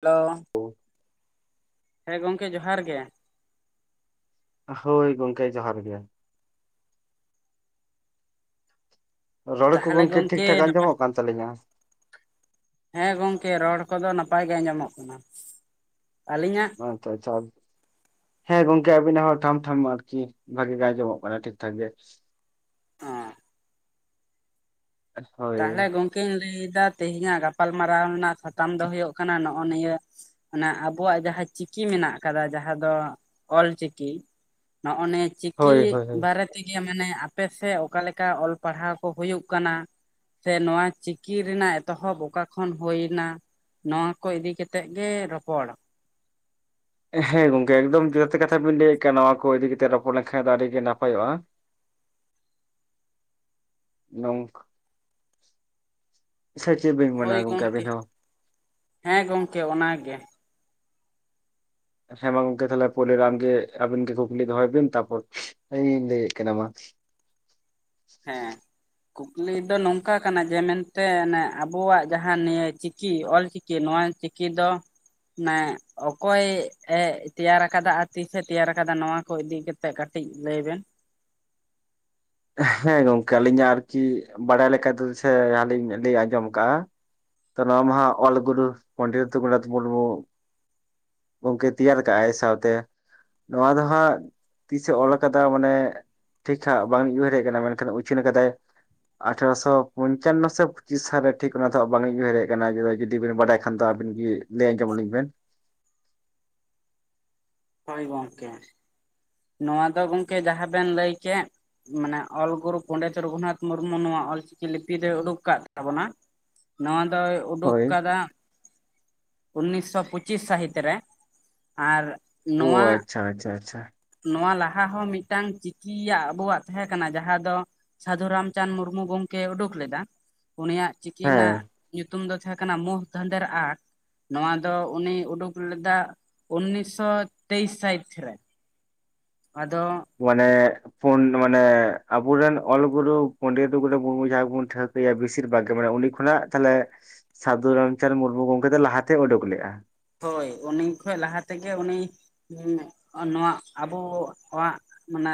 Hello ᱦᱮᱸ ᱜᱚᱝᱠᱮ ᱡᱚᱦᱟᱨ ᱜᱮ ᱦᱳᱭ ᱜᱚᱝᱠᱮ ᱡᱚᱦᱟᱨ ᱜᱮ ᱨᱚᱲ ᱠᱚ ᱛᱟᱦᱚᱞᱮ ᱜᱚᱝᱠᱮ ᱜᱚᱢᱠᱮ ᱴᱷᱤᱠ ᱴᱷᱟᱠ ᱱᱟᱯᱟᱭ ᱟᱸᱡᱚᱢᱚᱜ ᱠᱟᱱ ᱛᱟᱹᱞᱤᱧᱟ ᱦᱮᱸ ᱜᱚᱝᱠᱮ ᱨᱚᱲ ᱠᱚᱫᱚ ᱱᱟᱯᱟᱭ ᱜᱮ ᱟᱸᱡᱚᱢᱚᱜ ᱠᱟᱱᱟ ᱟᱹᱞᱤᱧᱟᱜ ᱟᱪᱼᱪᱷᱟ ᱟᱪᱼᱪᱷᱟ ᱦᱮᱸ ᱜᱚᱝᱠᱮ ᱟᱵᱤᱱᱟᱜ ᱦᱚᱸ ᱴᱷᱟᱢ ᱴᱷᱟᱢ ᱟᱨᱠᱤ ᱵᱷᱟᱜᱤ ᱜᱮ ᱟᱸᱡᱚᱢᱚᱜ ᱠᱟᱱᱟ ᱴᱷᱤᱠ ᱴᱷᱟᱠ ᱜᱮ᱾ ᱚ ᱦᱳᱭ ᱛᱟᱦᱞᱮ ᱜᱚᱝᱠᱮᱧ ᱞᱟᱹᱭᱮᱫᱟ ᱛᱮᱦᱮᱧᱟᱜ ᱜᱟᱯᱟᱞᱢᱟᱨᱟᱣ ᱨᱮᱱᱟᱜ ᱥᱟᱛᱟᱢ ᱫᱚ ᱦᱳᱭᱳᱜ ᱠᱟᱱᱟ ᱱᱚᱜ-ᱚ ᱱᱤᱭᱟᱹ ᱚᱱᱟ ᱟᱵᱚᱣᱟᱜ ᱡᱟᱦᱟᱸ ᱪᱤᱠᱤ ᱢᱮᱱᱟᱜ ᱟᱠᱟᱫᱟ ᱡᱟᱦᱟᱸ ᱫᱚ ᱚᱞᱪᱤᱠᱤ ᱱᱚᱜᱼᱚ ᱱᱤᱭᱟᱹ ᱪᱤᱠᱤ ᱦᱳᱭ ᱦᱳᱭ ᱦᱳᱭ ᱵᱟᱨᱮ ᱛᱮᱜᱮ ᱢᱟᱱᱮ ᱟᱯᱮᱥᱮᱫ ᱚᱠᱟᱞᱮᱠᱟ ᱚᱞ ᱯᱟᱲᱦᱟᱣ ᱠᱚ ᱦᱩᱭᱩᱜ ᱠᱟᱱᱟ ᱥᱮ ᱱᱚᱣᱟ ᱪᱤᱠᱤ ᱨᱮᱱᱟᱜ ᱮᱛᱚᱦᱚᱵ ᱚᱠᱟ ᱠᱷᱚᱱ ᱦᱩᱭ ᱮᱱᱟ ᱱᱚᱣᱟ ᱠᱚ ᱤᱫᱤ ᱠᱟᱛᱮᱫ ᱜᱮ ᱨᱚᱯᱚᱲ ᱦᱮᱸ ᱜᱚᱝᱠᱮ ᱮᱠᱫᱚᱢ ᱡᱟᱹᱚᱛᱛᱤ ᱦᱸᱮ ᱜᱚᱝᱠᱮ ᱮᱠᱫᱚᱢ [unintelligible] ᱠᱟᱛᱷᱟ ᱵᱤᱱ ᱞᱟᱹᱭᱮᱫ ᱠᱟᱱ ᱱᱚᱣᱟ ᱠᱚ ᱤᱫᱤ ᱠᱟᱛᱮ ᱨᱚᱯᱚᱲ ᱞᱮᱱᱠᱷᱟᱱ ᱫᱚ ᱟᱹᱰᱤ ᱜᱮ ᱱᱟᱯᱟᱭᱚᱜᱼᱟ [inaudible] ᱱᱚᱝᱠ ᱥᱮᱪ ᱵᱤᱲ ᱦᱳᱭ ᱜᱚᱢᱠᱮ ᱦᱮᱸ ᱜᱚᱢᱠᱮ ᱚᱱᱟ ᱜᱮ ᱦᱮᱸ ᱢᱟ ᱜᱚᱝᱠᱮ ᱛᱟᱦᱚᱞᱮ ᱯᱩᱭᱞᱟᱹᱨᱮ ᱟᱢᱜᱮ ᱟᱵᱮᱱ ᱜᱮ ᱠᱩᱠᱞᱤ ᱫᱚᱦᱚᱭ ᱵᱮᱱ ᱛᱟᱨᱯᱚᱨ ᱤᱧ ᱞᱟᱹᱭᱮᱫ ᱠᱟᱱᱟ ᱢᱟ ᱦᱮᱸ ᱠᱩᱠᱞᱤ ᱫᱚ ᱱᱚᱝᱠᱟ ᱠᱟᱱᱟ ᱡᱮ ᱢᱮᱱᱛᱮ ᱟᱵᱚᱣᱟᱜ ᱡᱟᱦᱟᱸ ᱱᱤᱭᱟᱹ ᱪᱤᱠᱤ ᱚᱞᱪᱤᱠᱤ ᱠᱮ ᱱᱚᱣᱟ ᱪᱤᱠᱤ ᱫᱚ ᱢᱟᱱᱮ ᱚᱠᱚᱭ ᱛᱮᱭᱟᱨ ᱟᱠᱟᱫᱟ ᱟᱨ ᱛᱤᱥᱮ ᱛᱮᱭᱟᱨ ᱟᱠᱟᱫᱟ ᱱᱚᱣᱟ ᱠᱚ ᱤᱫᱤ ᱠᱟᱛᱮᱜ ᱠᱟᱹᱴᱤᱡ ᱞᱟᱹᱭ ᱵᱮᱱ ᱦᱮᱸ ᱜᱚᱝᱠᱮ ᱟᱹᱞᱤᱧᱟᱜ ᱟᱨᱠᱤ ᱵᱟᱲᱟᱭ ᱞᱮᱠᱟᱛᱮᱫ ᱥᱮ ᱡᱟᱦᱟᱸ ᱞᱤᱧ ᱞᱟᱹᱭ ᱟᱸᱡᱚᱢ ᱟᱠᱟᱫᱼᱟ ᱛᱚ ᱱᱚᱣᱟ ᱢᱟᱦᱟᱜ ᱚᱞ ᱜᱩᱨᱩ ᱯᱚᱱᱰᱤᱛ ᱨᱚᱜᱷᱩᱱᱟᱛᱷ ᱢᱩᱨᱢᱩ ᱜᱚᱝᱠᱮ ᱛᱮᱭᱟᱨ ᱠᱟᱜᱼᱟᱭ ᱥᱟᱶᱛᱮ ᱱᱚᱣᱟ ᱫᱚ ᱦᱟᱸᱜ ᱛᱤᱥᱮ ᱚᱞ ᱟᱠᱟᱫᱟ ᱢᱟᱱᱮ ᱴᱷᱤᱠᱷᱟ ᱵᱟᱝᱧ ᱩᱭᱦᱟᱹᱨᱮᱫ ᱠᱟᱱᱟ ᱢᱮᱱᱠᱷᱟᱱ ᱩᱪᱷᱤᱱ ᱠᱟᱫᱟᱭ ᱟᱴᱷᱮᱨᱚᱥᱚ ᱯᱚᱹᱧᱪᱟᱱᱱᱚᱹ ᱥᱮ ᱯᱸᱪᱤᱥ ᱥᱟᱞᱨᱮ ᱴᱷᱤᱠ ᱚᱱᱟ ᱫᱚ ᱵᱟᱝᱟᱹᱧ ᱩᱭᱦᱟᱹᱨᱮᱫ ᱠᱟᱱᱟ ᱡᱩᱫᱤ ᱵᱤᱱ ᱵᱟᱰᱟᱭ ᱠᱷᱟᱱ ᱫᱚ ᱟᱵᱤᱱ ᱜᱤ ᱞᱟᱹᱭ ᱟᱸᱡᱚᱢ ᱟᱹᱞᱤᱧ ᱵᱮᱱ ᱦᱳᱭ ᱜᱚᱝᱠᱮ ᱱᱚᱣᱟ ᱫᱚ ᱜᱚᱝᱠᱮ ᱡᱟᱦᱟᱸ ᱵᱮᱱ ᱞᱟᱹᱭᱠᱮ ᱢᱟᱱᱮ ᱚᱞ ᱜᱩᱨᱩ ᱯᱚᱱᱰᱤᱛ ᱨᱚᱜᱷᱩᱱᱟᱛᱷ ᱢᱩᱨᱢᱩ ᱱᱚᱣᱟ ᱚᱞᱪᱤᱠᱤ ᱞᱤᱯᱤ ᱫᱚᱭ ᱩᱰᱩᱠ ᱠᱟᱫ ᱛᱟᱵᱚᱱᱟ ᱱᱚᱣᱟ ᱫᱚᱭ ᱩᱰᱩᱠ ᱦᱳᱭ ᱠᱟᱫᱟ ᱩᱱᱤᱥᱥᱚ ᱯᱸᱩᱪᱤᱥ ᱥᱟᱹᱦᱤᱛ ᱨᱮ ᱟᱨ ᱱᱚᱣᱟ ᱟᱪᱪᱟ ᱟᱪᱷᱟ ᱟᱪᱷᱟ ᱱᱚᱣᱟ ᱞᱟᱦᱟ ᱦᱚᱸ ᱢᱤᱫᱴᱟᱝ ᱪᱤᱠᱤᱭᱟᱜ ᱟᱵᱚᱣᱟᱜ ᱛᱟᱦᱮᱸ ᱠᱟᱱᱟ ᱡᱟᱦᱟᱸ ᱫᱚ ᱥᱟᱹᱫᱷᱩ ᱨᱟᱢᱪᱟᱸᱫᱽ ᱢᱩᱨᱢᱩ ᱜᱚᱝᱠᱮ ᱩᱰᱩᱠ ᱞᱮᱫᱟ ᱩᱱᱤᱭᱟᱜ ᱪᱤᱠᱤ ᱦᱮᱸ ᱨᱮᱱᱟᱜ ᱧᱩᱛᱩᱢ ᱫᱚ ᱛᱟᱦᱮᱸ ᱠᱟᱱᱟ ᱢᱚᱦ ᱫᱷᱟᱸᱫᱮᱨ ᱟᱸᱠᱷ ᱱᱚᱣᱟ ᱫᱚ ᱩᱱᱤ ᱩᱰᱩᱠ ᱞᱮᱫᱟ ᱩᱱᱤᱥᱥᱚ ᱛᱮᱭᱤᱥ ᱥᱟᱹᱦᱤᱛ ᱨᱮ ᱟᱫᱚ ᱢᱟᱱᱮ ᱯᱩᱱ ᱢᱟᱱᱮ ᱟᱵᱚᱨᱮᱱ ᱚᱞᱜᱩᱨᱩ ᱯᱚᱱᱰᱤᱛ ᱨᱚᱜᱷᱩᱱᱟᱛᱷ ᱢᱩᱨᱢᱩ ᱡᱟᱵᱚᱱ ᱴᱷᱟᱹᱠ ᱞᱮᱭᱟ ᱵᱮᱥᱤᱨ ᱵᱷᱟᱜᱽ ᱜᱮ ᱢᱟᱱᱮ ᱩᱱᱤ ᱢᱟᱱᱮ ᱩᱱᱤ ᱠᱷᱚᱱᱟᱜ ᱛᱟᱦᱚᱞᱮ ᱥᱟᱹᱫᱷᱩ ᱨᱟᱢᱪᱟᱸᱫᱽ ᱢᱩᱨᱢᱩ ᱜᱚᱢᱠᱮ ᱫᱚ ᱞᱟᱦᱟᱛᱮᱭ ᱩᱰᱩᱠ ᱞᱮᱫᱼᱟ ᱦᱳᱭ ᱩᱱᱤ ᱠᱷᱚᱡ ᱞᱟᱦᱟ ᱛᱮᱜᱮ ᱩᱱᱤ ᱦᱩᱸ, ᱱᱚᱣᱟ ᱟᱵᱚᱣᱟᱜ ᱢᱟᱱᱮ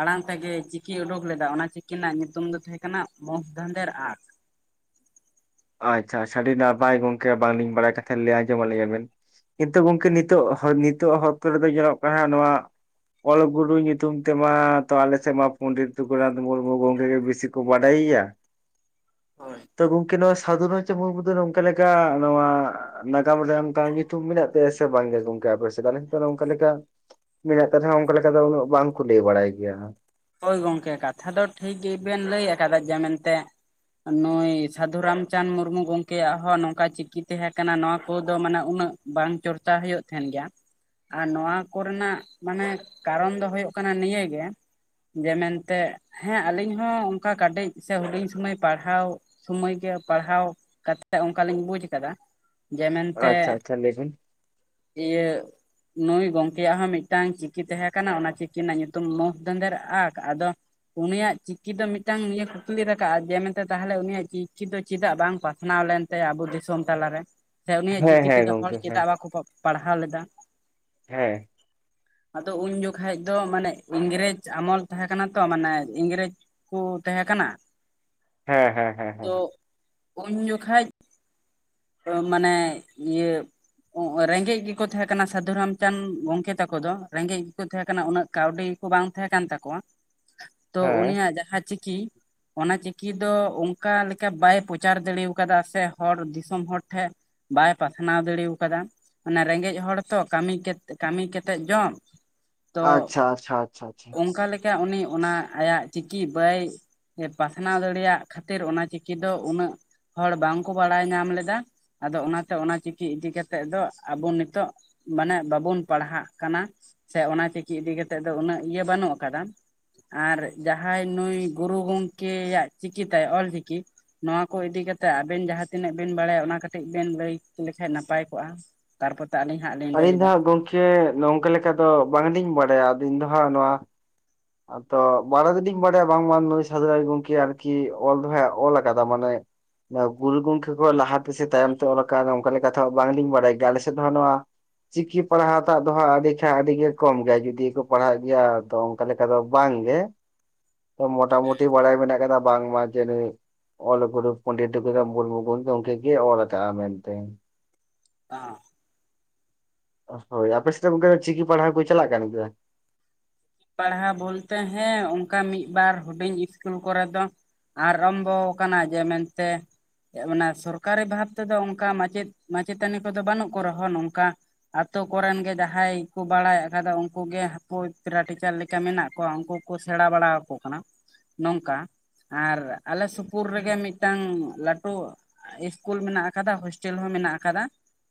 ᱟᱲᱟᱝ ᱛᱮᱜᱮ ᱪᱤᱠᱤᱭ ᱩᱰᱩᱠ ᱞᱮᱫᱟ ᱚᱱᱟ ᱪᱤᱠᱤ ᱨᱮᱱᱟᱜ ᱧᱩᱛᱩᱢ ᱫᱚ ᱛᱟᱦᱮᱸ ᱠᱟᱱᱟ ᱢᱚᱸᱦ ᱫᱷᱟᱸᱫᱮᱨ ᱟᱜ ᱟᱪᱪᱷᱟ ᱟᱪᱪᱷᱟ ᱟᱹᱰᱤ ᱱᱟᱯᱟᱭ ᱜᱚᱝᱠᱮ ᱵᱟᱝ ᱞᱤᱧ ᱵᱟᱲᱟᱭ ᱠᱟᱱ ᱛᱟᱸᱦᱮᱫ ᱞᱟᱹᱭ ᱟᱸᱡᱚᱢᱟᱜ ᱞᱤᱧᱟ ᱵᱤᱱ ᱠᱤᱱᱛᱩ ᱜᱚᱝᱠᱮ ᱱᱤᱛᱚᱜ ᱱᱤᱛᱚᱜ ᱦᱚᱠ ᱨᱮᱫᱚ ᱧᱮᱞᱚᱜ ᱠᱟᱱᱟ ᱱᱚᱣᱟ ᱚᱞ ᱜᱩᱨᱩ ᱧᱩᱛᱩᱢ ᱛᱮᱢᱟ ᱛᱚ ᱟᱞᱮ ᱥᱮᱫ ᱢᱟ ᱯᱚᱱᱰᱤᱛ ᱨᱚᱜᱷᱩᱱᱟᱛᱷ ᱢᱩᱨᱢᱩ ᱜᱚᱝᱠᱮ ᱜᱮ ᱵᱮᱥᱤ ᱠᱚ ᱵᱟᱰᱟᱭᱮᱭᱟ ᱦᱳᱭ ᱛᱚ ᱜᱚᱝᱠᱮ ᱱᱚᱣᱟ ᱥᱟᱫᱷᱩ ᱨᱟᱢᱪᱟᱸᱫᱽ ᱢᱩᱨᱢᱩ ᱫᱚ ᱱᱚᱝᱠᱟ ᱞᱮᱠᱟ ᱱᱚᱣᱟ ᱱᱟᱜᱟᱢ ᱨᱮ ᱚᱱᱠᱟ ᱧᱩᱛᱩᱢ ᱢᱮᱱᱟᱜ ᱛᱟᱭᱟ ᱥᱮ ᱵᱟᱝᱜᱮ ᱜᱚᱝᱠᱮ ᱟᱯᱮᱥᱮ ᱟᱞᱮ ᱚᱱᱠᱟ ᱞᱮᱠᱟ ᱢᱮᱱᱟᱜ ᱠᱟᱹᱛᱷᱟᱹ ᱦᱚ ᱚᱱᱠᱟ ᱞᱮᱠᱟ ᱫᱚ ᱩᱱᱟᱹᱜ ᱵᱟᱝᱠᱚ ᱞᱟᱹᱭ ᱵᱟᱲᱟᱭ ᱜᱮᱭᱟ ᱦᱳᱭ ᱜᱚᱝᱠᱮ ᱠᱟᱛᱷᱟ ᱫᱚ ᱴᱷᱤᱠ ᱜᱮᱵᱮᱱ ᱞᱟᱹᱭ ᱟᱠᱟᱫᱟ ᱡᱮ ᱢᱮᱱᱛᱮ ᱱᱩᱭ ᱥᱟᱫᱷᱩ ᱨᱟᱢᱪᱟᱸᱫᱽ ᱢᱩᱨᱢᱩ ᱜᱚᱝᱠᱮᱭᱟᱜ ᱦᱚᱸ ᱱᱚᱝᱠᱟ ᱪᱤᱠᱤ ᱛᱟᱦᱮᱸ ᱠᱟᱱᱟ ᱱᱚᱣᱟ ᱠᱚᱫᱚ ᱢᱟᱱᱮ ᱩᱱᱟᱹᱜ ᱵᱟᱝ ᱪᱚᱨᱪᱟ ᱦᱩᱭᱩᱜ ᱛᱟᱦᱮᱱ ᱜᱮᱭᱟ ᱟᱨ ᱱᱚᱣᱟ ᱠᱚᱨᱮᱱᱟᱜ ᱢᱟᱱᱮ ᱠᱟᱨᱚᱱ ᱫᱚ ᱦᱩᱭᱩᱜ ᱠᱟᱱᱟ ᱱᱤᱭᱟᱹᱜᱮ ᱡᱮ ᱢᱮᱱᱛᱮ ᱦᱮᱸ ᱟᱞᱤᱧ ᱦᱚᱸ ᱚᱱᱠᱟ ᱠᱟᱴᱮᱡ ᱥᱮ ᱦᱩᱰᱤᱧ ᱥᱩᱢᱟᱹᱭ ᱯᱟᱲᱦᱟᱣ ᱥᱚᱢᱚᱭ ᱜᱮ ᱯᱟᱲᱦᱟᱣ ᱠᱟ ᱠᱟᱛᱮᱫ ᱚᱱᱠᱟᱞᱤᱧ ᱵᱩᱡ ᱟᱠᱟᱫᱟ ᱡᱮ ᱢᱮᱱᱛᱮ ᱟᱪᱪᱷᱟ ᱟᱪᱪᱷᱟ ᱞᱟᱹᱭ ᱵᱤᱱ ᱤᱭᱟᱹ ᱱᱩᱭ ᱜᱚᱝᱠᱮᱭᱟᱜ ᱦᱚᱸ ᱢᱤᱫᱴᱟᱝ ᱪᱤᱠᱤ ᱛᱟᱦᱮᱸ ᱠᱟᱱᱟ ᱚᱱᱟ ᱪᱤᱠᱤ ᱨᱮᱱᱟᱜ ᱧᱩᱛᱩᱢ ᱢᱚᱸᱡᱽ ᱫᱟᱸᱫᱷᱮᱨ ᱟᱠ ᱟᱫᱚ ᱩᱱᱤᱭᱟᱜ ᱪᱤᱠᱤ ᱫᱚ ᱢᱤᱫᱴᱟᱝ ᱱᱤᱭᱟᱹ ᱠᱩᱠᱞᱤ ᱨᱟᱠᱟᱵ-ᱟ ᱡᱮ ᱢᱮᱱᱛᱮ ᱛᱟᱦᱚᱞᱮ ᱩᱱᱤᱭᱟᱜ ᱪᱤᱠᱤ ᱫᱚ ᱪᱮᱫᱟᱜ ᱵᱟᱝ ᱯᱟᱥᱱᱟᱣ ᱞᱮᱱ ᱟᱵᱚ ᱫᱤᱥᱚᱢ ᱛᱟᱞᱟ ᱨᱮ ᱥᱮ ᱩᱱᱤᱭᱟᱜ ᱦᱮᱸ ᱪᱤᱠᱤ ᱦᱮᱸ ᱛᱮᱫᱚ ᱦᱚᱲ ᱜᱚᱝᱠᱮ ᱦᱮᱸ ᱪᱮᱫᱟᱜ ᱵᱟᱠᱚ ᱯᱟᱲᱦᱟᱣ ᱞᱮᱫᱟ ᱦᱮᱸ ᱟᱫᱚ ᱩᱱ ᱡᱚᱠᱷᱟᱡ ᱫᱚ ᱢᱟᱱᱮ ᱤᱝᱨᱮᱡᱽ ᱟᱢᱚᱞ ᱛᱟᱦᱮᱸ ᱠᱟᱱᱟ ᱛᱚ ᱢᱟᱱᱮ ᱤᱝᱨᱮᱡᱽ ᱠᱚ ᱛᱟᱦᱮᱸ ᱠᱟᱱᱟ ᱦᱮᱸ ᱦᱮᱸ ᱦᱮᱸ ᱛᱚ ᱦᱮᱸ ᱩᱱ ᱡᱚᱠᱷᱟᱡ ᱢᱟᱱᱮ ᱤᱭᱟᱹ ᱨᱮᱸᱜᱮᱡ ᱜᱮᱠᱚ ᱛᱟᱦᱮᱸ ᱠᱟᱱᱟ ᱥᱟᱹᱫᱷᱩ ᱨᱟᱢᱪᱟᱸᱫᱽ ᱜᱚᱝᱠᱮ ᱛᱟᱠᱚ ᱫᱚ ᱨᱮᱸᱜᱮᱡ ᱜᱮᱠᱚ ᱛᱟᱦᱮᱸ ᱠᱟᱱᱟ ᱩᱱᱟᱹᱜ ᱠᱟᱹᱣᱰᱤ ᱠᱚ ᱵᱟᱝ ᱛᱟᱦᱮᱸ ᱠᱟᱱ ᱛᱟᱠᱚᱣᱟ ᱛᱚ ᱦᱮᱸ ᱩᱱᱤᱭᱟᱜ ᱡᱟᱦᱟᱸ ᱪᱤᱠᱤ ᱚᱱᱟ ᱪᱤᱠᱤ ᱫᱚ ᱚᱱᱠᱟ ᱞᱮᱠᱟ ᱵᱟᱭ ᱯᱨᱚᱪᱟᱨ ᱫᱟᱲᱮ ᱠᱟᱣᱫᱟ ᱥᱮ ᱦᱚᱲ ᱫᱤᱥᱚᱢ ᱦᱚᱲ ᱴᱷᱮᱱ ᱵᱟᱭ ᱯᱟᱥᱱᱟᱣ ᱫᱟᱲᱮ ᱠᱟᱣᱫᱟ ᱚᱱᱟ ᱨᱮᱸᱜᱮᱡ ᱦᱚᱲ ᱛᱚ ᱠᱟᱹᱢᱤ ᱠᱮᱛ ᱠᱟᱹᱢᱤ ᱠᱟᱛᱮᱜ ᱡᱚᱢ ᱛᱚ ᱟᱪᱪᱷᱟ ᱟᱪᱪᱷᱟ ᱟᱪᱪᱷᱟ ᱟᱪᱪᱷᱟ ᱚᱱᱠᱟ ᱞᱮᱠᱟ ᱩᱱᱤ ᱚᱱᱟ ᱟᱭᱟᱜ ᱪᱤᱠᱤ ᱵᱟᱭ ᱯᱟᱥᱱᱟᱣ ᱫᱟᱲᱮᱭᱟᱜ ᱠᱷᱟᱹᱛᱤᱨ ᱚᱱᱟ ᱪᱤᱠᱤ ᱫᱚ ᱩᱱᱟᱹᱜ ᱦᱚᱲ ᱵᱟᱝ ᱠᱚ ᱵᱟᱲᱟᱭ ᱧᱟᱢ ᱞᱮᱫᱟ ᱟᱫᱚ ᱚᱱᱟᱛᱮ ᱚᱱᱟ ᱪᱤᱠᱤ ᱤᱫᱤ ᱠᱟᱛᱮᱫ ᱫᱚ ᱟᱵᱚ ᱱᱤᱛᱚᱜ ᱢᱟᱱᱮ ᱵᱟᱵᱚᱱ ᱯᱟᱲᱦᱟᱜ ᱠᱟᱱᱟ ᱥᱮ ᱚᱱᱟ ᱪᱤᱠᱤ ᱤᱫᱤ ᱠᱟᱛᱮᱜ ᱫᱚ ᱩᱱᱟᱹᱜ ᱤᱭᱟᱹ ᱵᱟᱹᱱᱩᱜ ᱠᱟᱫᱟ ᱟᱨ ᱡᱟᱦᱟᱸᱭ ᱱᱩᱭ ᱜᱩᱨᱩ ᱜᱚᱝᱠᱮ ᱟᱜ ᱪᱤᱠᱤ ᱛᱟᱭ ᱚᱞᱪᱤᱠᱤ ᱱᱚᱣᱟ ᱠᱚ ᱤᱫᱤᱠᱟ ᱠᱟᱛᱮᱜ ᱟᱵᱮᱱ ᱡᱟᱦᱟᱸ ᱛᱤᱱᱟᱹᱜ ᱵᱤᱱ ᱵᱟᱲᱟᱭᱟ ᱚᱱᱟ ᱠᱟᱹᱴᱤᱡ ᱵᱤᱱ ᱞᱟᱹᱭ ᱞᱮᱠᱷᱟᱱ ᱱᱟᱯᱟᱭ ᱠᱚᱜ-ᱟ ᱛᱟᱨᱯᱚᱨ ᱛᱮ ᱟᱹᱞᱤᱧ ᱦᱟᱸᱜ ᱞᱤᱧ ᱟᱹᱞᱤᱧ ᱫᱚ ᱦᱟᱸᱜ ᱜᱚᱝᱠᱮ ᱱᱚᱝᱠᱟ ᱞᱮᱠᱟ ᱫᱚ ᱵᱟᱝ ᱞᱤᱧ ᱵᱟᱲᱟᱭᱟ ᱟᱫᱚ ᱤᱧ ᱫᱚ ᱦᱟᱸᱜ ᱱᱚᱣᱟ ᱟᱫᱚ ᱵᱟᱲᱟᱭ ᱫᱚᱞᱤᱧ ᱵᱟᱲᱟᱭᱟ ᱵᱟᱝᱢᱟ ᱱᱩᱭ ᱥᱟᱹᱫᱷᱩ ᱨᱟᱭ ᱜᱚᱝᱠᱮ ᱟᱨᱠᱤ ᱚᱞ ᱫᱚ ᱦᱟᱜ ᱚᱞ ᱠᱟᱫᱟ ᱢᱟᱱᱮ ᱱᱚᱣᱟ ᱜᱩᱨᱩ ᱜᱚᱝᱠᱮ ᱠᱷᱚᱡ ᱞᱟᱦᱟ ᱛᱮᱥᱮ ᱛᱟᱭᱚᱢ ᱛᱮ ᱚᱞ ᱠᱟᱜᱼᱟ ᱚᱱᱠᱟ ᱞᱮᱠᱟ ᱛᱮᱦᱚᱸ ᱵᱟᱝ ᱞᱤᱧ ᱵᱟᱲᱟᱭᱟ ᱜᱮ ᱟᱞᱮ ᱥᱮᱫ ᱫᱚ ᱦᱟᱸᱜ ᱱᱚᱣᱟ ᱪᱤᱠᱤ ᱯᱟᱲᱦᱟᱣ ᱛᱟᱜ ᱫᱚ ᱦᱟᱸᱜ ᱟᱹᱰᱤ ᱠᱷᱟᱡ ᱟᱹᱰᱤ ᱜᱮ ᱠᱚᱢ ᱜᱮᱭᱟ ᱡᱩᱫᱤ ᱠᱚ ᱯᱟᱲᱦᱟᱜ ᱜᱮᱭᱟ ᱟᱫᱚ ᱚᱱᱠᱟ ᱞᱮᱠᱟ ᱫᱚ ᱵᱟᱝᱜᱮ ᱢᱚᱴᱟᱢᱩᱴᱤ ᱵᱟᱲᱟᱭ ᱢᱮᱱᱟᱜ ᱠᱟᱫᱟ ᱵᱟᱝ ᱢᱟ ᱡᱮ ᱱᱩᱭ ᱚᱞ ᱜᱩᱨᱩ ᱯᱚᱱᱰᱤᱛ ᱨᱚᱜᱷᱩᱱᱟᱛᱷ ᱢᱩᱨᱢᱩ ᱜᱚᱢᱠᱮ ᱜᱮ ᱚᱞ ᱠᱟᱜᱼᱟ ᱢᱮᱱᱛᱮ ᱟᱸ ᱦᱳᱭ ᱟᱯᱮ ᱥᱮᱡ ᱫᱚ ᱜᱚᱝᱠᱮ ᱪᱤᱠᱤ ᱯᱟᱲᱦᱟᱣ ᱠᱚ ᱪᱟᱞᱟᱜ ᱠᱟᱱ ᱜᱮᱭᱟ ᱯᱟᱲᱦᱟᱣ ᱵᱚᱞᱛᱮ ᱦᱮᱸ ᱚᱱᱠᱟ ᱢᱤᱫ ᱵᱟᱨ ᱦᱩᱰᱤᱧ ᱤᱥᱠᱩᱞ ᱠᱚᱨᱮ ᱫᱚ ᱟᱨᱚᱢᱵᱚ ᱠᱟᱱᱟ ᱡᱮ ᱢᱮᱱ ᱛᱮ ᱢᱟᱱᱮ ᱥᱚᱨᱠᱟᱨᱤ ᱵᱷᱟᱵᱽ ᱛᱮᱫᱚ ᱚᱱᱠᱟ ᱢᱟᱪᱮᱫ ᱢᱟᱪᱮᱛᱟᱹᱱᱤ ᱠᱚᱫᱚ ᱵᱟᱹᱱᱩᱜ ᱠᱚ ᱨᱮᱦᱚᱸ ᱱᱚᱝᱠᱟ ᱟᱹᱛᱳ ᱠᱚᱨᱮᱱ ᱜᱮ ᱡᱟᱦᱟᱸᱭ ᱠᱚ ᱵᱟᱲᱟᱭ ᱟᱠᱟᱫᱟ ᱩᱝᱠᱩ ᱜᱮ ᱦᱟᱝᱠᱩ ᱯᱮᱨᱟ ᱴᱤᱪᱟᱨ ᱞᱮᱠᱟ ᱢᱮᱱᱟᱜ ᱠᱚᱣᱟ ᱩᱝᱠᱩ ᱠᱚ ᱥᱮᱬᱟ ᱵᱟᱲᱟᱣᱟᱠᱚ ᱠᱟᱱᱟ ᱱᱚᱝᱠᱟ ᱟᱨ ᱟᱞᱮ ᱥᱩᱯᱩᱨ ᱨᱮᱜᱮ ᱢᱤᱫ ᱴᱟᱝ ᱞᱟᱹᱴᱩ ᱤᱥᱠᱩᱞ ᱢᱮᱱᱟᱜ ᱟᱠᱟᱫᱟ ᱦᱳᱥᱴᱮᱞ ᱦᱚᱸ ᱢᱮᱱᱟᱜ ᱟᱠᱟᱫᱟ᱾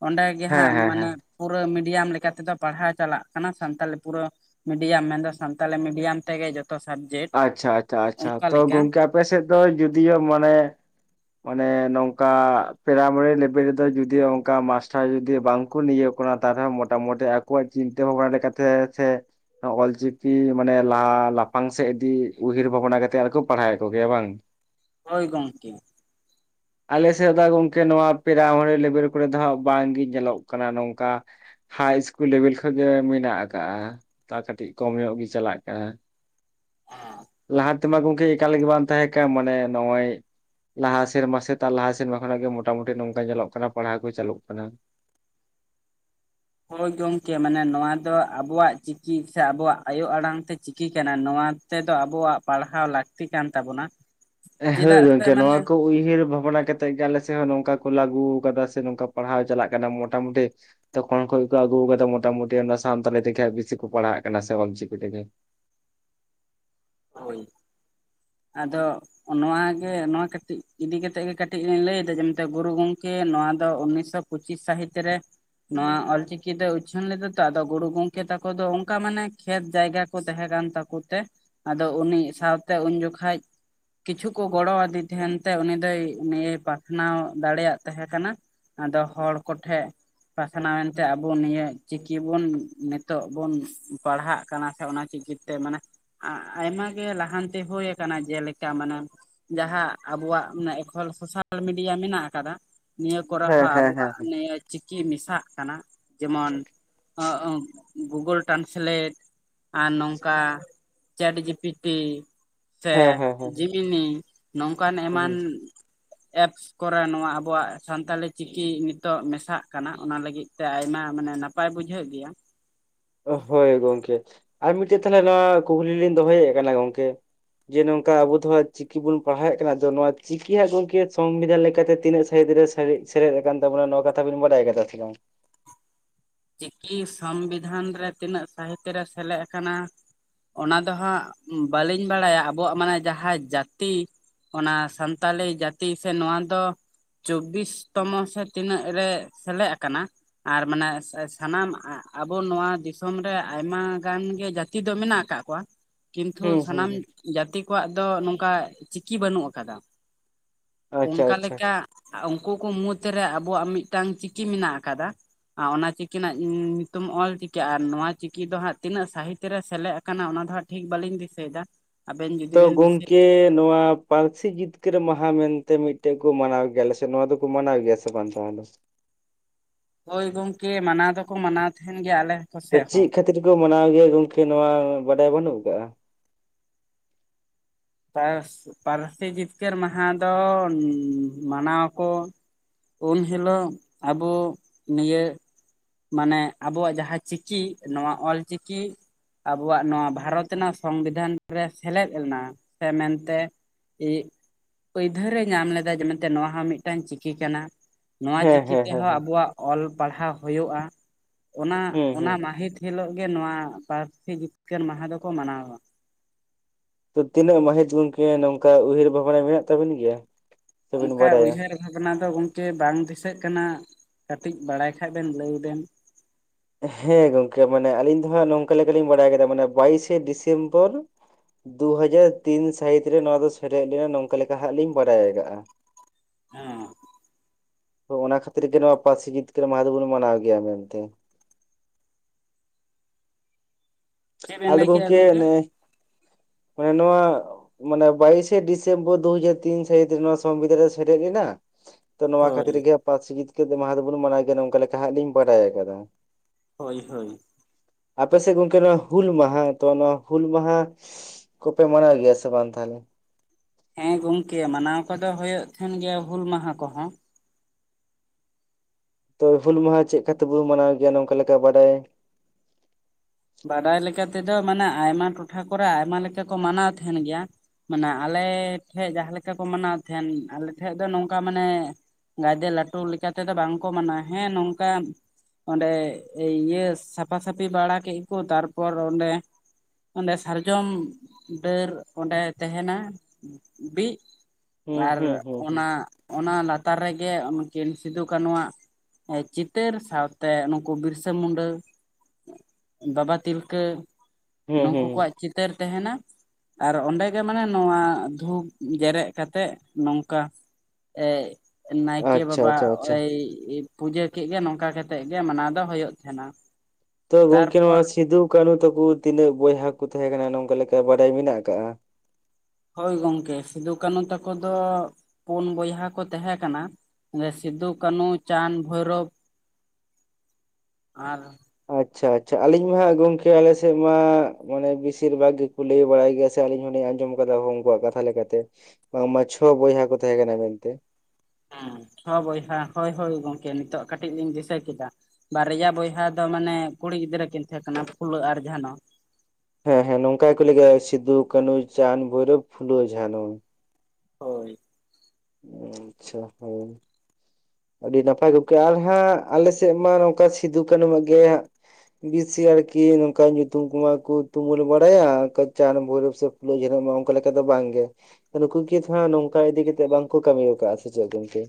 ᱚᱸᱰᱮᱜᱮ ᱦᱮᱸ ᱦᱟᱸᱜ ᱦᱮᱸ ᱦᱮᱸ ᱢᱟᱱᱮ ᱯᱩᱨᱟᱹ ᱢᱤᱰᱤᱭᱟᱢ ᱞᱮᱠᱟᱛᱮᱫᱚ ᱯᱟᱲᱦᱟᱣ ᱪᱟᱞᱟᱜ ᱠᱟᱱᱟ ᱥᱟᱱᱛᱟᱞᱤ ᱯᱩᱨᱟᱹ ᱢᱤᱰᱤᱭᱟᱢ ᱢᱮᱱᱫᱚ ᱥᱟᱱᱛᱟᱞᱤ ᱢᱤᱰᱤᱭᱟᱢ ᱛᱮᱜᱮ ᱡᱚᱛ ᱛᱟᱥᱟᱫᱽ ᱡᱮ ᱟᱪᱪᱷᱟ ᱟᱪᱪᱷᱟ ᱟᱪᱪᱷᱟ ᱛᱚ ᱜᱚᱝᱠᱮ ᱟᱯᱮ ᱥᱮᱫ ᱫᱚ ᱡᱩᱫᱤᱭᱳ ᱢᱟᱱᱮ ᱢᱟᱱᱮ ᱱᱚᱝᱠᱟ ᱯᱮᱨᱢᱟᱨᱤ ᱞᱮᱵᱮᱞ ᱨᱮᱫᱚ ᱡᱩᱫᱤᱭᱳ ᱚᱝᱠᱟ ᱢᱟᱥᱴᱟᱨ ᱡᱩᱫᱤ ᱵᱟᱝ ᱠᱚ ᱱᱤᱭᱳᱜᱚᱜ-ᱟ ᱛᱟᱞᱮ ᱢᱚᱴᱟᱢᱩᱴᱤ ᱟᱠᱚᱣᱟᱜ ᱪᱤᱱᱛᱟᱹ ᱵᱷᱟᱵᱽᱱᱟ ᱞᱮᱠᱟᱛᱮ ᱥᱮ ᱚᱞ ᱪᱤᱠᱤ ᱢᱟᱱᱮ ᱞᱟᱦᱟ ᱞᱟᱯᱷᱟᱝ ᱥᱮᱫ ᱡᱩᱫᱤ ᱩᱭᱦᱟᱹᱨ ᱵᱷᱟᱵᱽᱱᱟ ᱠᱟᱛᱮ ᱟᱨᱠᱚ ᱯᱟᱲᱦᱟᱣᱮᱫ ᱠᱚᱜᱮᱭᱟ ᱵᱟᱝ ᱦᱳᱭ ᱜᱚᱝᱠᱮ ᱟᱞᱮ ᱥᱮᱫ ᱫᱚ ᱦᱟᱸᱜ ᱜᱚᱝᱠᱮ ᱱᱚᱣᱟ ᱯᱨᱟᱭᱢᱟᱨᱤ ᱞᱮᱵᱮᱞ ᱠᱚᱨᱮ ᱫᱚ ᱦᱟᱸᱜ ᱵᱟᱝ ᱜᱮ ᱧᱮᱞᱚᱜ ᱠᱟᱱᱟ ᱱᱚᱝᱠᱟ ᱦᱟᱭ ᱤᱥᱠᱩᱞ ᱞᱮᱵᱮᱞ ᱠᱷᱚᱡ ᱜᱮ ᱢᱮᱱᱟᱜ ᱠᱟᱜᱼᱟ ᱛᱟᱣ ᱠᱟᱹᱴᱤᱡ ᱠᱚᱢ ᱧᱚᱜ ᱜᱮ ᱪᱟᱞᱟᱜ ᱠᱟᱱᱟ ᱚᱸ ᱞᱟᱦᱟ ᱛᱮᱢᱟ ᱜᱚᱝᱠᱮ ᱮᱠᱟᱞᱮ ᱵᱟᱝ ᱛᱟᱦᱮᱸ ᱠᱟᱱᱟ ᱢᱟᱱᱮ ᱱᱚᱜ-ᱚᱭ ᱞᱟᱦᱟ ᱥᱮᱨᱢᱟᱟ ᱥᱮ ᱛᱟᱨ ᱞᱟᱦᱟ ᱥᱮᱨᱢᱟ ᱠᱷᱚᱱᱟᱜ ᱜᱮ ᱢᱚᱴᱟᱢᱩᱴᱤ ᱱᱚᱝᱠᱟ ᱧᱮᱞᱚᱜ ᱠᱟᱱᱟ ᱯᱟᱲᱦᱟᱣ ᱠᱚ ᱪᱟᱹᱟᱞᱩᱜ ᱠᱟᱱᱟ ᱦᱳᱭ ᱜᱚᱝᱠᱮ ᱢᱟᱱᱮ ᱱᱚᱣᱟ ᱫᱚ ᱟᱵᱚᱣᱟᱜ ᱪᱤᱠᱤ ᱥᱮ ᱟᱵᱚᱣᱟᱜ ᱟᱭᱳ ᱟᱲᱟᱝ ᱛᱮ ᱪᱤᱠᱤ ᱠᱟᱱᱟ ᱱᱚᱣᱟ ᱛᱮᱫᱚ ᱟᱵᱚᱣᱟᱜ ᱯᱟᱲᱦᱟᱣ ᱞᱟᱹᱠᱛᱤ ᱠᱟᱱ ᱛᱟᱵᱚᱱᱟ ᱦᱳᱭ ᱪᱮᱫᱟᱜ ᱥᱮ ᱜᱚᱝᱠᱮ ᱢᱟᱱᱮ ᱱᱚᱣᱟ ᱠᱚ ᱩᱭᱦᱟᱹᱨ ᱵᱷᱟᱵᱱᱟ ᱠᱟᱛᱮᱫ ᱛᱮᱜᱮ ᱟᱞᱮ ᱥᱮᱮᱫ ᱦᱚᱸ ᱱᱚᱝᱠᱟ ᱠᱚ ᱞᱟᱹᱜᱟᱜᱩ ᱠᱟᱫᱟ ᱥᱮ ᱱᱚᱝᱠᱟ ᱯᱟᱲᱦᱟᱣ ᱪᱟᱞᱟᱜ ᱠᱟᱱᱟ ᱢᱚᱴᱟᱢᱩᱴᱤ ᱛᱚᱠᱷᱚᱱ ᱠᱷᱚᱡ ᱠᱚ ᱟᱹᱜᱩ ᱟᱠᱟᱫᱟ ᱢᱚᱴᱟᱢᱩᱴᱤ ᱚᱱᱟ ᱥᱟᱱᱛᱟᱞᱤ ᱛᱮᱜᱮ ᱵᱤᱥᱤ ᱠᱚ ᱯᱟᱲᱦᱟᱜ ᱠᱟᱱᱟ ᱥᱮ ᱚᱞ ᱪᱤᱠᱤ ᱛᱮᱜᱮ ᱦᱳᱭ ᱟᱫᱚ ᱱᱚᱣᱟ ᱜᱮ ᱱᱚᱣᱟ ᱠᱟᱹᱴᱤᱡ ᱤᱫᱤ ᱠᱟᱛᱮᱜ ᱜᱮ ᱠᱟᱹᱴᱤᱡ ᱞᱤᱧ ᱞᱟᱹᱭᱫᱟ ᱡᱮ ᱜᱩᱨᱩ ᱜᱚᱝᱠᱮ ᱱᱚᱣᱟ ᱫᱚ ᱩᱱᱤᱥᱥᱚ ᱯᱩᱪᱤᱛ ᱥᱟᱹᱦᱤᱛ ᱨᱮ ᱱᱚᱣᱟ ᱚᱞᱪᱤᱠᱤ ᱫᱚ ᱩᱪᱷᱟᱹᱱ ᱞᱮᱫᱟ ᱛᱚ ᱟᱫᱚ ᱜᱩᱨᱩ ᱜᱚᱝᱠᱮ ᱛᱟᱠᱚ ᱫᱚ ᱚᱱᱠᱟ ᱢᱟᱱᱮ ᱠᱷᱮᱛ ᱡᱟᱭᱜᱟ ᱛᱟᱦᱮᱸ ᱠᱟᱱ ᱛᱟᱠᱚ ᱛᱮ ᱟᱫᱚ ᱩᱱᱤ ᱥᱟᱶᱛᱮ ᱩᱱ ᱡᱚᱠᱷᱟᱱ ᱠᱤᱪᱷᱩ ᱠᱚ ᱜᱚᱲᱚᱣᱟᱫᱮ ᱛᱟᱦᱮᱱ ᱛᱮ ᱩᱱᱤ ᱫᱚᱭ ᱱᱤᱭᱟᱹ ᱯᱟᱥᱱᱟᱣ ᱫᱟᱲᱮᱭᱟᱜ ᱛᱟᱦᱮᱸ ᱠᱟᱱᱟ ᱟᱫᱚ ᱦᱚᱲ ᱠᱚᱴᱷᱮᱱ ᱯᱟᱥᱱᱟᱣ ᱮᱱᱛᱮ ᱟᱵᱚ ᱱᱤᱭᱟᱹ ᱪᱤᱠᱤ ᱵᱩᱱ ᱱᱤᱛᱚᱜ ᱵᱩᱱ ᱯᱟᱲᱦᱟᱜ ᱠᱟᱱᱟ ᱥᱮ ᱚᱱᱟ ᱪᱤᱠᱤ ᱛᱮ ᱢᱟᱱᱮ ᱟᱭᱢᱟ ᱜᱮ ᱞᱟᱦᱟᱱᱛᱤ ᱦᱩᱭ ᱟᱠᱟᱱᱟ ᱡᱮᱞᱮᱠᱟ ᱢᱟᱱᱮ ᱡᱟᱦᱟᱸ ᱟᱵᱚᱣᱟᱜ ᱮᱠᱷᱚᱱ ᱥᱳᱥᱟᱞ ᱢᱤᱰᱤᱭᱟ ᱢᱮᱱᱟᱜ ᱟᱠᱟᱫᱟ ᱱᱤᱭᱟᱹ ᱠᱚᱨᱮ ᱦᱮᱸ ᱦᱚᱸ ᱦᱮᱸ ᱟᱵᱚᱣᱟᱜ ᱦᱮᱸ ᱱᱤᱭᱟᱹ ᱪᱤᱠᱤ ᱢᱮᱥᱟᱜ ᱠᱟᱱᱟ ᱡᱮᱢᱚᱱ ᱜᱩᱜᱩᱞ ᱴᱟᱱᱥᱞᱮᱴ ᱟᱨ ᱱᱚᱝᱠᱟ ᱪᱮᱴ ᱡᱤᱯᱤᱴᱤ ᱥᱮ ᱦᱮᱸ ᱦᱮᱸ ᱡᱤᱢᱱᱤ ᱱᱚᱝᱠᱟᱱ ᱮᱢᱟᱱ ᱦᱮᱸ ᱮᱯᱥ ᱠᱚᱨᱮ ᱱᱚᱣᱟ ᱟᱵᱚᱣᱟᱜ ᱥᱟᱱᱛᱟᱞᱤ ᱪᱤᱠᱤ ᱱᱤᱛᱚᱜ ᱢᱮᱥᱟᱜ ᱠᱟᱱᱟ ᱚᱱᱟ ᱞᱟᱹᱜᱤᱫ ᱛᱮ ᱟᱭᱢᱟ ᱢᱟᱱᱮ ᱱᱟᱯᱟᱭ ᱱᱟᱯᱟᱭ ᱵᱩᱡᱷᱟᱹᱜ ᱜᱮᱭᱟ ᱦᱳᱭ ᱜᱚᱝᱠᱮ ᱟᱨ ᱢᱤᱫᱴᱮᱡ ᱛᱟᱦᱚᱞᱮ ᱱᱚᱣᱟ ᱠᱩᱠᱞᱤ ᱞᱤᱧ ᱫᱚᱦᱚᱭᱮᱫ ᱠᱟᱱᱟ ᱜᱚᱝᱠᱮ ᱡᱮ ᱱᱚᱝᱠᱟ ᱟᱵᱚ ᱫᱚ ᱦᱟᱸᱜ ᱪᱤᱠᱤ ᱵᱚᱱ ᱯᱟᱲᱦᱟᱣᱮᱫ ᱠᱟᱱᱟ ᱟ ᱱᱚᱣᱟ ᱪᱤᱠᱤ ᱦᱟᱸᱜ ᱜᱚᱝᱠᱮ ᱥᱚᱝᱵᱤᱫᱷᱟᱱ ᱞᱮᱠᱟᱛᱮ ᱛᱤᱱᱟᱹᱜ ᱥᱟᱹᱦᱤᱛ ᱨᱮ ᱥᱮᱞᱮᱫ ᱠᱟᱱ ᱛᱟᱵᱚᱱᱟ ᱱᱚᱣᱟ ᱠᱟᱛᱷᱟ ᱵᱤᱱ ᱵᱟᱰᱟᱭ ᱠᱟᱫᱟ ᱥᱮ ᱵᱟᱝ ᱪᱤᱠᱤ ᱥᱚᱝᱵᱤᱫᱷᱟᱱ ᱨᱮ ᱛᱤᱱᱟᱹᱜ ᱥᱟᱹᱦᱤᱛ ᱨᱮ ᱥᱮᱞᱮᱫ ᱟᱠᱟᱱᱟ ᱚᱱᱟ ᱫᱚ ᱦᱟᱸᱜ ᱵᱟᱹᱞᱤᱧ ᱵᱟᱲᱟᱭᱟ ᱟᱵᱚᱣᱟᱜ ᱢᱟᱱᱮ ᱡᱟᱦᱟᱸ ᱡᱟᱹᱛᱤ ᱚᱱᱟ ᱥᱟᱱᱛᱟᱞᱤ ᱡᱟᱹᱛᱤ ᱥᱮ ᱱᱚᱣᱟ ᱫᱚ ᱪᱚᱵᱽᱵᱤᱥ ᱛᱚᱢᱚ ᱥᱮ ᱛᱤᱱᱟᱹᱜ ᱨᱮ ᱥᱮᱞᱮᱫ ᱟᱠᱟᱱᱟ ᱟᱨ ᱢᱟᱱᱮ ᱥᱟᱱᱟᱢ ᱟᱵᱚ ᱱᱚᱣᱟ ᱫᱤᱥᱚᱢ ᱨᱮ ᱟᱭᱢᱟ ᱜᱟᱱ ᱜᱮ ᱡᱟᱹᱛᱤ ᱫᱚ ᱢᱮᱱᱟᱜ ᱠᱟᱫ ᱠᱚᱣᱟ ᱠᱤᱱᱛᱩ ᱦᱩᱸ ᱦᱩᱸ ᱥᱟᱱᱟᱢ ᱦᱩᱸ ᱡᱟᱹᱛᱤ ᱠᱚᱣᱟᱜ ᱫᱚ ᱱᱚᱝᱠᱟ ᱪᱤᱠᱤ ᱵᱟᱹᱱᱩᱜ ᱟᱠᱟᱫᱟ ᱟᱪᱪᱷᱟ ᱚᱱᱠᱟ ᱟᱪᱪᱷᱟ ᱞᱮᱠᱟ ᱩᱱᱠᱩ ᱠᱩ ᱢᱩᱫᱽᱨᱮ ᱟᱵᱚᱣᱟᱜ ᱢᱤᱫᱴᱟᱝ ᱪᱤᱠᱤ ᱢᱮᱱᱟᱜ ᱟᱠᱟᱫᱟ ᱚᱱᱟ ᱪᱤᱠ ᱩᱱᱤᱠᱤᱱᱟᱜ ᱧᱩᱛᱩᱢ ᱚᱞ ᱪᱤᱠᱤ ᱟᱨ ᱱᱚᱣᱟ ᱪᱤᱠᱤ ᱫᱚ ᱦᱟᱸᱜ ᱛᱤᱱᱟᱹᱜ ᱥᱟᱹᱦᱤᱛ ᱨᱮ ᱥᱮᱞᱮᱫ ᱟᱠᱟᱱᱟ ᱚᱱᱟ ᱫᱚ ᱦᱟᱸᱜ ᱴᱷᱤᱠ ᱵᱟᱞᱤᱱ ᱫᱤᱥᱟᱹᱭᱮᱫᱟ ᱟᱵᱮᱱ ᱡᱩᱫᱤ ᱛᱚ ᱵᱮᱱ ᱫᱤᱥᱟᱹᱭ ᱜᱚᱢᱠᱮ ᱠᱷᱟᱱ᱾ ᱱᱚᱣᱟ ᱯᱟᱹᱨᱥᱤ ᱡᱤᱛᱠᱟᱹᱨ ᱢᱟᱦᱟ ᱢᱮᱱᱛᱮ ᱢᱤᱫᱴᱮᱡ ᱠᱚ ᱢᱟᱱᱟᱣ ᱜᱮᱭᱟᱞ ᱥᱮ ᱱᱚᱣᱟ ᱫᱚᱠᱚ ᱢᱟᱱᱟᱣ ᱜᱮᱭᱟ ᱥᱮ ᱵᱟᱝ ᱛᱟᱦᱮ ᱫᱚ ᱦᱚᱠᱚᱭ ᱜᱚᱢᱠᱮ ᱢᱟᱱᱟᱣ ᱫᱚᱠᱚ ᱢᱟᱱᱟᱣ ᱛᱟᱦᱮᱱ ᱜᱮᱭᱟ ᱟᱞᱮ ᱛᱚ ᱠᱚᱥᱮᱫ ᱦᱚᱸ ᱪᱮᱫ ᱠᱷᱟᱹᱛᱤᱨ ᱠᱚ ᱢᱟᱱᱟᱣ ᱜᱮᱭᱟ ᱜᱚᱝᱠᱮ ᱱᱚᱣᱟ ᱵᱟᱰᱟᱭ ᱵᱟᱹᱱᱩᱜ ᱠᱟᱜ-ᱟ ᱯᱟᱹᱨᱥᱤ ᱡᱤᱛᱠᱟᱹᱨ ᱢᱟᱦᱟ ᱫᱚ ᱢᱟᱱᱟᱣᱟᱠᱚ ᱩᱱ ᱦᱤᱞᱳᱜ ᱟᱵᱚ ᱱᱤᱭᱟᱹ ᱢᱟᱱᱮ ᱟᱵᱚᱣᱟᱜ ᱡᱟᱦᱟᱸ ᱪᱤᱠᱤ ᱱᱚᱣᱟ ᱚᱞᱪᱤᱠᱤ ᱟᱵᱚᱣᱟᱜ ᱱᱚᱣᱟ ᱵᱷᱟᱨᱚᱛ ᱨᱮᱱᱟᱜ ᱥᱚᱝᱵᱤᱫᱷᱟᱱ ᱨᱮ ᱥᱮᱞᱮᱫ ᱞᱮᱱᱟ ᱥᱮ ᱢᱮᱱᱛᱮ ᱤ ᱟᱹᱭᱫᱷᱟᱹᱨ ᱮᱭ ᱧᱟᱢ ᱞᱮᱫᱟ ᱡᱮ ᱢᱮᱱᱛᱮ ᱱᱚᱣᱟ ᱦᱚᱸ ᱢᱤᱫ ᱴᱟᱝ ᱪᱤᱠᱤ ᱠᱟᱱᱟ ᱱᱚᱶᱟ ᱦᱮᱸ ᱪᱤᱠᱤ ᱦᱮᱸ ᱦᱮᱸ ᱛᱮᱦᱚᱸ ᱦᱮᱸ ᱟᱵᱚᱣᱟᱜ ᱚᱞ ᱯᱟᱲᱦᱟᱣ ᱦᱩᱭᱩᱜᱼᱟ ᱚᱱᱟ ᱦᱩᱸ ᱚᱱᱟ ᱦᱩᱸ ᱢᱟᱹᱦᱤᱛ ᱦᱤᱞᱳᱜ ᱜᱮ ᱱᱚᱣᱟ ᱯᱟᱹᱨᱥᱤ ᱡᱤᱛᱠᱟᱹᱨ ᱢᱟᱦᱟ ᱫᱚᱠᱚ ᱢᱟᱱᱟᱣᱟ ᱛᱚ ᱛᱤᱱᱟᱹᱜ ᱢᱟᱦᱤᱛ ᱜᱚᱝᱠᱮ ᱱᱚᱝᱠᱟ ᱩᱭᱦᱟᱹᱨ ᱵᱷᱟᱵᱽᱱᱟ ᱢᱮᱱᱟᱜ ᱛᱟᱵᱤᱱ ᱜᱮᱭᱟ ᱥᱮᱵᱤᱱ ᱚᱱᱠᱟ ᱵᱟᱰᱟᱭᱟ ᱩᱭᱦᱟᱹᱨ ᱠᱟᱱᱟ ᱫᱚ ᱜᱚᱝᱠᱮ ᱵᱟᱝ ᱫᱤᱥᱟᱹᱜ ᱠᱟᱱᱟ ᱠᱟᱹᱴᱤᱡ ᱵᱟᱲᱟᱭ ᱠᱷᱟ ᱵᱮᱱ ᱞᱟᱹᱭ ᱵᱮᱱ ᱦᱮᱸ ᱜᱚᱝᱠᱮ ᱢᱟᱱᱮ ᱟᱞᱤᱧ ᱫᱚ ᱦᱟᱸᱜ ᱱᱚᱝᱠᱟ ᱞᱮᱠᱟᱞᱤᱧ ᱵᱟᱲᱟᱭ ᱠᱮᱫᱟ ᱢᱟᱱᱮ ᱵᱟᱭᱤᱥᱮ ᱰᱤᱥᱮᱢᱵᱚᱨ ᱫᱩ ᱦᱟᱡᱟᱨ ᱛᱤᱱ ᱥᱟᱹᱦᱤᱛ ᱨᱮ ᱱᱚᱶᱟ ᱫᱚ ᱥᱮᱴᱮᱨ ᱞᱮᱱᱟ ᱱᱚᱝᱠᱟ ᱞᱮᱠᱟ ᱦᱟᱸᱜ ᱞᱤᱧ ᱵᱟᱰᱟᱭ ᱟᱠᱟᱟᱜᱼᱟ ᱦᱮᱸ ᱛᱚ ᱚᱱᱟ ᱠᱷᱟᱹᱛᱤᱨ ᱜᱮ ᱱᱚᱶᱟ ᱯᱟᱹᱨᱥᱤ ᱡᱤᱛᱠᱟᱹᱨ ᱢᱟ ᱫᱚᱵᱚᱱ ᱢᱟᱱᱟᱣ ᱜᱮᱭᱟ ᱢᱮᱱᱛᱮ ᱪᱮᱫ ᱵᱮᱱ ᱟᱞᱮ ᱞᱟᱹᱭ ᱠᱮᱜᱼᱟ ᱜᱚᱢᱠᱮ ᱚᱱᱮ ᱢᱟᱱᱮ ᱱᱚᱶᱟ ᱢᱟᱱᱮ ᱵᱟᱭᱤᱥᱮ ᱰᱤᱥᱮᱢᱵᱚᱨ ᱫᱩᱦᱡᱟᱨ ᱛᱤᱱ ᱥᱟᱹᱦᱤᱛ ᱨᱮ ᱱᱚᱣᱟ ᱥᱚᱝᱵᱤᱫᱷᱟᱱ ᱨᱮ ᱥᱮᱞᱮᱫ ᱞᱮᱱᱟ ᱛᱚ ᱱᱚᱶᱟ ᱦᱳᱭ ᱠᱷᱟᱹᱛᱤᱨ ᱜᱮ ᱯᱟᱹᱨᱥᱤ ᱡᱤᱛᱠᱟᱹᱨ ᱢᱟᱦᱟ ᱫᱚᱵᱚᱱ ᱢᱟᱱᱟᱣ ᱜᱮᱭᱟ ᱱᱚᱝᱠᱟ ᱞᱮᱠᱟ ᱦᱟᱸᱜ ᱞᱤᱧ ᱵᱟᱰᱟᱭ ᱠᱟᱫᱟ ᱦᱳᱭ ᱦᱳᱭ ᱟᱯᱮ ᱥᱮᱫ ᱜᱚᱝᱠᱮ ᱦᱩᱞ ᱢᱟᱦᱟ ᱛᱚ ᱱᱚᱣᱟ ᱦᱩᱞ ᱢᱟᱦᱟ ᱠᱚᱯᱮ ᱢᱟᱱᱟᱣ ᱜᱮᱭᱟ ᱥᱮ ᱵᱟᱝ ᱛᱟᱦᱚᱞᱮ ᱦᱮᱸ ᱜᱚᱝᱠᱮ ᱢᱟᱱᱟᱣ ᱠᱚᱫᱚ ᱦ ᱦᱩᱭᱩᱜ ᱛᱟᱦᱮᱱ ᱜᱮᱭᱟ ᱦᱩᱞ ᱢᱟᱦᱟ ᱠᱚᱦᱚᱸ ᱛᱚ ᱦᱩᱞ ᱢᱟᱦᱟ ᱪᱮᱫ ᱠᱟ ᱞᱮᱠᱟᱛᱮ ᱵᱚ ᱢᱟᱱᱟᱣ ᱜᱮᱭᱟ ᱱᱚᱝᱠᱟ ᱞᱮᱠᱟ ᱵᱟᱰᱟᱭ ᱵᱟᱰᱟᱭ ᱞᱮᱠᱟ ᱛᱮᱫᱚ ᱢᱟᱱᱮ ᱟᱭᱢᱟ ᱴᱚᱴᱷᱟ ᱠᱚᱨᱮ ᱟᱭᱢᱟ ᱞᱮᱠᱟ ᱠᱚ ᱢᱟᱱᱟᱣ ᱛᱟᱦᱮᱱ ᱜᱮᱭᱟ ᱢᱟᱱᱮ ᱟᱞᱮ ᱴᱷᱮᱡ ᱡᱟᱦᱟᱸᱮ ᱞᱮᱠᱟ ᱠᱚ ᱢᱟᱱᱟᱣ ᱛᱟᱦᱮᱸᱱ ᱟᱞᱮᱴᱷᱮᱡ ᱫᱚ ᱱᱚᱝᱠᱟ ᱢᱟᱱᱮ ᱜᱟᱫᱮᱞ ᱞᱟᱹᱴᱩ ᱞᱮᱠᱟ ᱛᱮᱫᱚ ᱵᱟᱝᱠᱚ ᱢᱟᱱᱟᱣᱟ ᱦᱮᱸ ᱱᱚᱝᱠᱟ ᱚᱸᱰᱮ ᱤᱭᱟᱹ ᱥᱟᱯᱷᱟ ᱥᱟᱟᱹᱯᱷᱤ ᱵᱟᱲᱟ ᱠᱮᱫ ᱠᱚ ᱛᱟᱨᱯᱚᱨ ᱚᱸᱰᱮ ᱚᱸᱰᱮ ᱥᱟᱨᱡᱚᱢ ᱰᱟᱹᱨ ᱚᱸᱰᱮ ᱛᱟᱦᱮᱱᱟ ᱵᱤᱫ ᱦᱩᱸ ᱟᱨ ᱦᱩᱸ ᱦᱩᱸ ᱦᱩᱸ ᱚᱱᱟ ᱚᱱᱟ ᱞᱟᱛᱟᱨ ᱨᱮᱜᱮ ᱩᱱᱠᱤᱱ ᱥᱤᱫᱩ ᱠᱟᱹᱱᱩ ᱣᱟᱜ ᱪᱤᱛᱟᱹᱨ ᱥᱟᱶᱛᱮ ᱱᱩᱠᱩ ᱵᱤᱨᱥᱟᱹ ᱢᱩᱰᱟᱹ ᱵᱟᱵᱟ ᱛᱤᱞᱠᱟᱹ ᱦᱩᱸ ᱱᱩᱠᱩ ᱦᱩᱸ ᱠᱚᱣᱟᱜ ᱪᱤᱛᱟᱹᱨ ᱛᱟᱦᱮᱱᱟ ᱟᱨ ᱚᱸᱰᱮ ᱜᱮ ᱢᱟᱱᱮ ᱱᱚᱣᱟ ᱫᱷᱩᱯ ᱡᱮᱨᱮᱫ ᱠᱟᱛᱮᱜ ᱱᱚᱝᱠᱟ ᱮ ᱱᱟᱭᱠᱮ ᱟᱪᱪᱷᱟ ᱵᱟᱵᱟ ᱟᱪᱪᱷᱟ ᱟᱪᱪᱷᱟ ᱮᱭ ᱯᱩᱡᱟᱹ ᱠᱮᱫ ᱜᱮ ᱱᱚᱝᱠᱟ ᱠᱟᱛᱮᱜ ᱜᱮ ᱢᱟᱱᱟᱣ ᱫᱚ ᱦᱩᱭᱩᱜᱭᱳ ᱛᱟᱦᱮᱸᱱᱟ ᱛᱚ ᱜᱚᱝᱠᱮ ᱱᱚᱶᱟ ᱥᱤᱫᱩ ᱠᱟᱹᱱᱦᱩ ᱛᱟᱠᱚ ᱛᱤᱱᱟᱹᱜ ᱵᱚᱭᱦᱟ ᱠᱚ ᱛᱟᱦᱮᱸ ᱠᱟᱱᱟ ᱱᱚᱝᱠᱟ ᱞᱮᱠᱟ ᱵᱟᱰᱟᱭ ᱢᱮᱱᱟᱜ ᱟᱠᱟᱫᱟ ᱦᱳᱭ ᱜᱚᱝᱠᱮ ᱥᱤᱫᱩ ᱠᱟᱹᱱᱦᱩ ᱛᱟᱠᱚ ᱫᱚ ᱯᱩᱱ ᱵᱚᱭᱦᱟ ᱠᱚ ᱛᱟᱦᱮᱸ ᱠᱟᱱᱟ ᱥᱤᱫᱩ ᱠᱟᱱᱱᱩ ᱪᱟᱸᱫᱽ ᱵᱷᱳᱭᱨᱚᱵ [inaudible] ᱟᱨ ᱟᱪᱷᱟ ᱟᱪᱷᱟ ᱟᱹᱞᱤᱧ ᱢᱟ ᱦᱜ ᱜᱚᱢᱠᱮ ᱟᱞᱮ ᱥᱮᱫ ᱢᱟ ᱢᱟᱱᱮ ᱵᱮᱥᱤᱨ ᱵᱷᱟᱜᱽ ᱜᱮᱠᱚ ᱞᱟᱹᱭ ᱵᱟᱲᱟᱭ ᱜᱮᱭᱟ ᱥᱮ ᱟᱞᱤᱧ ᱦᱚᱞᱤᱧ ᱟᱸᱡᱚᱢ ᱟᱠᱟᱫᱟ ᱩᱱᱠᱩᱣᱟᱜ ᱠᱟᱛᱷᱟ ᱞᱮᱠᱟᱛᱮ ᱵᱟᱝᱢᱟ ᱪᱷᱚ ᱵᱚᱭᱦᱟ ᱠᱚ ᱛᱟᱦᱮᱸ ᱠᱟᱱᱟ ᱢᱮᱱᱛᱮ ᱦᱮᱸ ᱦᱚᱸ ᱵᱚᱭᱦᱟ ᱦᱳᱭ ᱦᱳᱭ ᱜᱚᱝᱠᱮ ᱱᱤᱛᱚᱜ ᱠᱟᱹᱴᱤᱡ ᱞᱤᱧ ᱫᱤᱥᱟᱹ ᱠᱮᱫᱟ ᱵᱟᱨᱭᱟ ᱵᱚᱭᱦᱟ ᱫᱚ ᱢᱟᱱᱮ ᱠᱩᱲᱤ ᱜᱤᱫᱽᱨᱟᱹ ᱠᱤᱱ ᱛᱟᱦᱮᱸ ᱠᱟᱱᱟ ᱯᱷᱩᱞᱚ ᱟᱨ ᱡᱷᱟᱱᱚ ᱦᱮᱸ ᱦᱮᱸ ᱱᱚᱝᱠᱟ ᱜᱮᱠᱚ ᱞ ᱥᱤᱫᱩ ᱠᱟᱹᱱᱩ ᱪᱟᱸᱫᱽ ᱵᱷᱳᱭᱨᱳᱵ ᱯᱷᱩᱞᱳ ᱡᱷᱟᱱᱳ ᱦᱳᱭ ᱟᱪᱪᱷᱟ ᱦᱳ ᱟᱹᱰᱤ ᱱᱟᱯᱟᱭ ᱜᱚᱸᱠᱮ ᱟᱨ ᱦᱟᱸᱜ ᱟᱞᱮ ᱥᱮᱫ ᱢᱟ ᱱᱚᱝᱠᱟ ᱥᱤᱫᱩ ᱠᱟᱹᱱᱩ ᱟ ᱜᱮ ᱵᱤᱥᱤ ᱟᱨᱠᱤ ᱱᱚᱝᱠᱟ ᱧᱩᱛᱩᱢ ᱠᱩᱢᱟ ᱠᱩ ᱛᱩᱢᱟᱹᱞ ᱵᱟᱲᱟᱭᱟ ᱠᱟ ᱪᱟ ᱵᱷᱳᱭᱵ ᱥᱮ ᱡᱷᱟᱹᱱᱚᱜ ᱢᱟ ᱚᱱᱠᱟ ᱞᱮᱠᱟ ᱫᱚ ᱵᱟᱝᱜᱮ ᱱᱩᱠᱩ ᱜᱮ ᱱᱚᱝᱠᱟ ᱤᱫᱤᱠᱟ ᱠᱟᱛᱮᱜ ᱵᱟᱝ ᱠᱩ ᱠᱟᱹᱢᱤ ᱠᱟᱜ-ᱟ ᱥᱮ ᱪᱮᱫ ᱜᱚᱝᱠᱮ